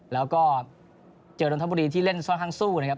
แล้วก็เจอนทบุรีที่เล่นค่อนข้างสู้นะครับ